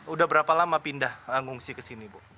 udah berapa lama pindah ngungsi kesini bu